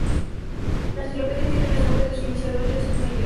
La enciclopedia tiene el nombre de su iniciador, Joseph Meyer.